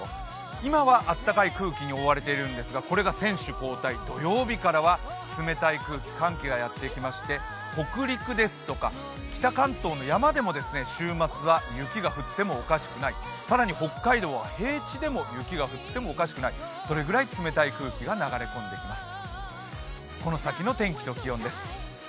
今は暖かい空気に覆われているんですがこれが選手交代、土曜日からは冷たい空気寒気がやってきまして北陸ですとか北関東の山でも週末は雪が降ってもおかしくない、更に北海道は平地でも雪が降ってもおかしくない、それぐらい冷たい空気が流れ込んできます。